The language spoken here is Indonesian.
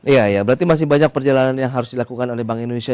iya ya berarti masih banyak perjalanan yang harus dilakukan oleh bank indonesia